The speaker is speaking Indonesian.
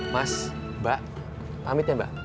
mas mbak pamit ya mbak